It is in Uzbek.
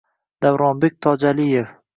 Davronbek Tojaliyev: